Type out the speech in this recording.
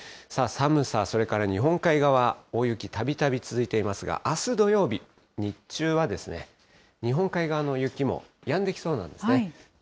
寒さ、それから日本海側、大雪、たびたび続いていますが、あす土曜日、日中は日本海側の雪もやんできそうなんですね。